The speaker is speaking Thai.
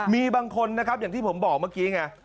มีบางคนนะครับอย่างที่ผมบอกเมื่อกี้ไง